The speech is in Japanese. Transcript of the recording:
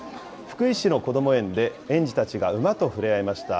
福井市のこども園で、園児たちが馬と触れ合いました。